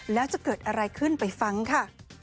แล้วจะเกิดอะไรขึ้นไปฟังค่ะ